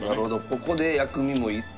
ここで薬味もいって。